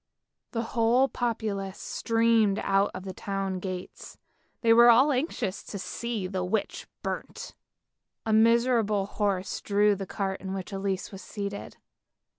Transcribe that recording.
The whole populace streamed out of the town gates, they were all anxious to see the witch burnt. A miserable horse drew the cart in which Elise was seated.